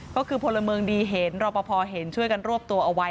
ก็คือพลเมืองดีเห็นรอปภเห็นช่วยกันรวบตัวเอาไว้